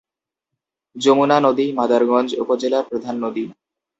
যমুনা নদীই মাদারগঞ্জ উপজেলার প্রধান নদী।